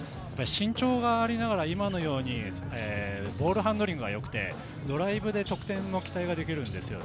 身長がありながら今のようにボールハンドリングが良くてドライブで得点の期待ができるんです。